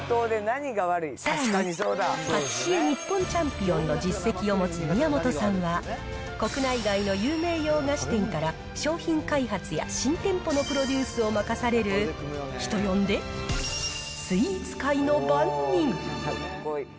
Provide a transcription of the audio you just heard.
さらにパティシエ日本チャンピオンの実績を持つ宮本さんは、国内外の有名洋菓子店から商品開発や新店舗のプロデュースを任される、人呼んで、スイーツ界の番人。